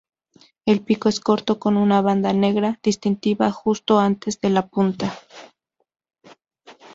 El pico es corto con una banda negra distintiva justo antes de la punta.